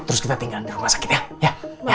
terus kita tinggal di rumah sakit ya